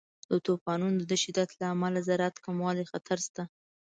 د طوفانونو د شدت له امله د زراعت د کموالي خطر شته.